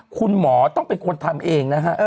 คุณหมอต้องเป็นคนทำเองนะฮะ